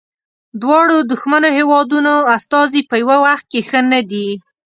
دواړو دښمنو هیوادونو استازي په یوه وخت کې ښه نه دي.